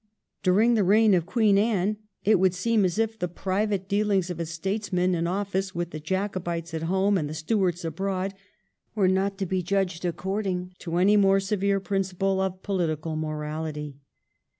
During the reign of Queen Anne it would seem as if the private dealings of a statesman in office with the Jacobites at home and the Stuarts abroad were not to be judged according to any more severe principle of political morality.